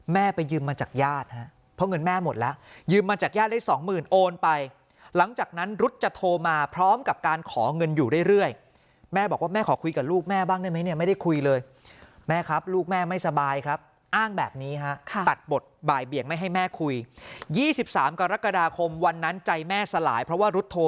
ไปยืมมาจากญาติฮะเพราะเงินแม่หมดแล้วยืมมาจากญาติได้สองหมื่นโอนไปหลังจากนั้นรุ๊ดจะโทรมาพร้อมกับการขอเงินอยู่เรื่อยแม่บอกว่าแม่ขอคุยกับลูกแม่บ้างได้ไหมเนี่ยไม่ได้คุยเลยแม่ครับลูกแม่ไม่สบายครับอ้างแบบนี้ฮะตัดบทบ่ายเบียงไม่ให้แม่คุย๒๓กรกฎาคมวันนั้นใจแม่สลายเพราะว่ารุ